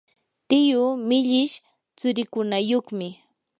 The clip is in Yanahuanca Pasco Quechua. tiyuu millish tsurikunayuqmi.